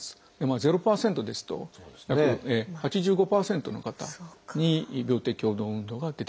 ０％ですと約８５％の方に病的共同運動が出てきてしまいます。